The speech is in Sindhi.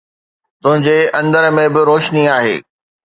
تنهنجي اندر ۾ به روشني آهي.